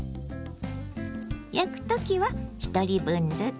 焼く時は１人分ずつ。